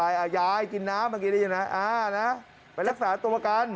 ยายยายกินน้ำเมื่อกี้ได้ยังไงอ่านะไปรักษาตัวกัน